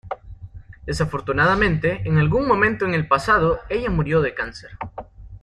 Desafortunadamente, en algún momento en el pasado, ella murió de cáncer.